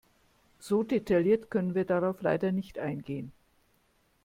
So detailliert können wir darauf leider nicht eingehen.